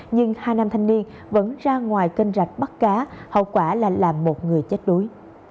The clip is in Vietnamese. nhưng hai nam thanh niên vẫn ra ngoài kênh rạch bắt cá hậu quả là làm một người chết đuối